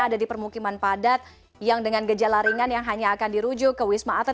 ada di permukiman padat yang dengan gejala ringan yang hanya akan dirujuk ke wisma atlet